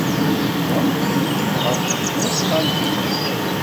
Yuba yerkeb ɣef tesnasɣalt-nnes.